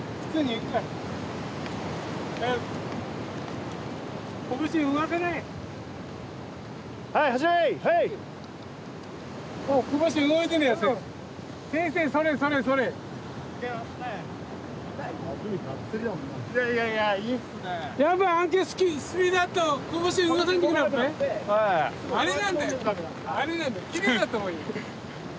きれいだったもん今。